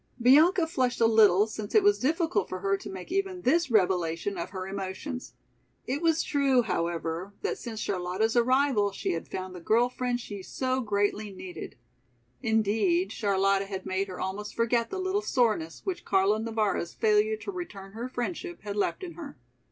Bianca flushed a little since it was difficult for her to make even this revelation of her emotions. It was true, however, that since Charlotta's arrival she had found the girl friend she so greatly needed. Indeed, Charlotta had made her almost forget the little soreness which Carlo Navara's failure to return her friendship had left in her.